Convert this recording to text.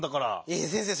いや先生。